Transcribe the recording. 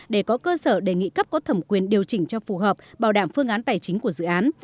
để có cơ sở đề nghị cấp có thẩm quyền điều chỉnh cho phù hợp bảo đảm phương án tài chính của dự án